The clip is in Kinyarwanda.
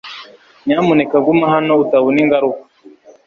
Nyamuneka guma hano utabona ingaruka